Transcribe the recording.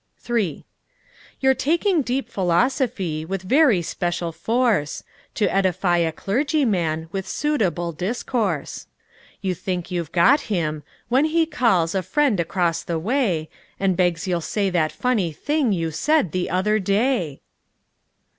III You're taking deep philosophy With very special force, To edify a clergyman With suitable discourse: You think you've got him, when he calls A friend across the way, And begs you'll say that funny thing You said the other day!